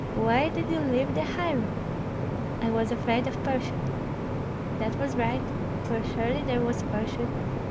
Why did you leave the highroad?" "I was afraid of pursuit." "That was right, for surely there was pursuit.